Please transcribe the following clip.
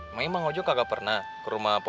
emangnya mang ojo kagak pernah ke rumah mang ojo